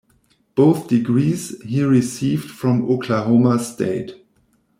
Both degrees he received from Oklahoma State.